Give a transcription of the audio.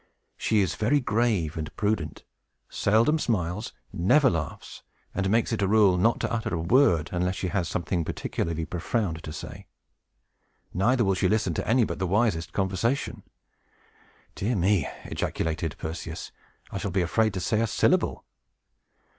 She is very grave and prudent, seldom smiles, never laughs, and makes it a rule not to utter a word unless she has something particularly profound to say. Neither will she listen to any but the wisest conversation." "Dear me!" ejaculated Perseus; "I shall be afraid to say a syllable."